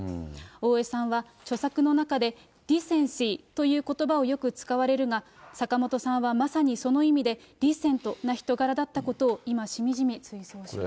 大江さんは著作の中で、ディセンシーということばをよく使われるが、坂本さんはまさにその意味でディセントな人柄だったと、今、しみじみ追想します。